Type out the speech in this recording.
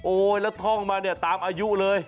แล้วท่องมาเนี่ยตามอายุเลย